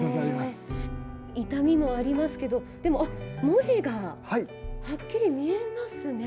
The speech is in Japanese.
痛みもありますけど文字がはっきり見えますね。